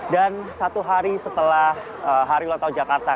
dan satu hari setelah hari ulang tahun jakarta